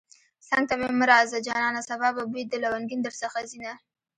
څنگ ته مې مه راځه جانانه سبا به بوی د لونگين درڅخه ځينه